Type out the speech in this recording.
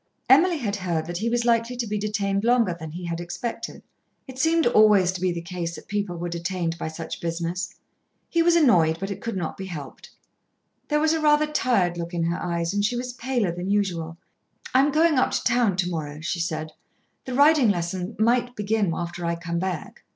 Emily had heard that he was likely to be detained longer than he had expected. It seemed always to be the case that people were detained by such business. He was annoyed, but it could not be helped. There was a rather tired look in her eyes and she was paler than usual. "I am going up to town to morrow," she said. "The riding lessons might begin after I come back."